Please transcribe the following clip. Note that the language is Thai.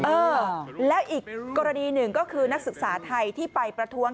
เออแล้วอีกกรณีหนึ่งก็คือนักศึกษาไทยที่ไปประท้วง